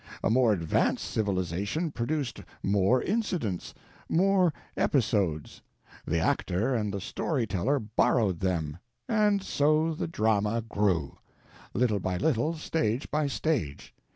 A more advanced civilization produced more incidents, more episodes; the actor and the story teller borrowed them. And so the drama grew, little by little, stage by stage.